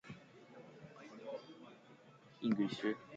When information needs to be read, the utility will decompress the information.